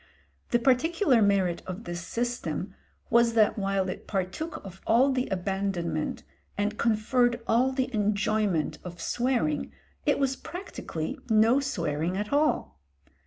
The particular merit of this system was that while it partook of all the abandonment and conferred all the enjoyment of swearing, it was practically no swearing at all.